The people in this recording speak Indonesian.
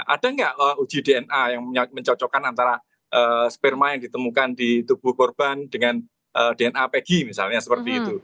ada nggak uji dna yang mencocokkan antara sperma yang ditemukan di tubuh korban dengan dna pegi misalnya seperti itu